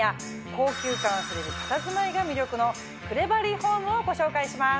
高級感あふれるたたずまいが魅力のクレバリーホームをご紹介します。